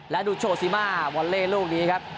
และดูโชซิมาวอลเล่ลูกนี้ครับ